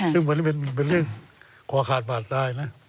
ซึ่งวันนี้เป็นเรื่องคอขาดบาดตายนะ